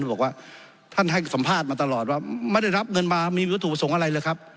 บอกว่าท่านให้สัมภาษณ์มาตลอดว่าไม่ได้รับเงินมามีวัตถุประสงค์อะไรเลยครับ